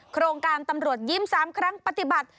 โครงการตำรวจยิ้ม๓ครั้งปฏิบัติ